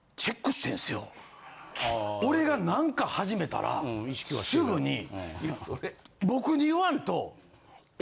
俺が何か始めたらすぐに僕に言わんと。